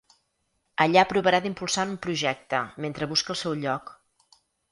Allà provarà d’impulsar un projecte mentre busca el seu lloc.